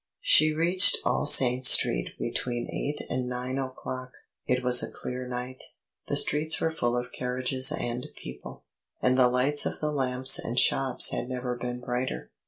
She reached All Saints' Street between eight and nine o'clock. It was a clear night; the streets were full of carriages and people, and the lights of the lamps and shops had never been brighter.